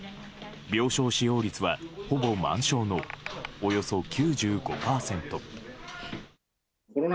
病床使用率はほぼ満床のおよそ９５％。